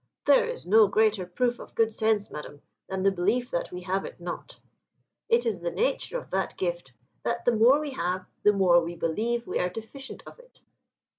"There is no greater proof of good sense, Madam, than the belief that we have it not; it is the nature of that gift, that the more we have, the more we believe we are deficient of it."